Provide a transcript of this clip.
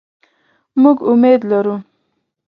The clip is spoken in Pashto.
مونږ امید لرو